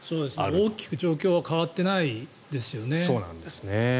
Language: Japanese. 大きく状況は変わってないですよね。